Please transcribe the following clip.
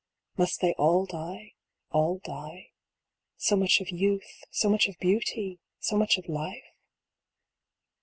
Must they all die, all die ? So much of Youth, so much of Beauty, so much of Life